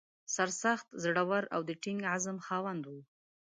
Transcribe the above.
سرسخت، زړه ور او د ټینګ عزم خاوند و.